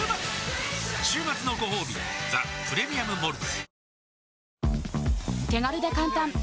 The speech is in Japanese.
週末のごほうび「ザ・プレミアム・モルツ」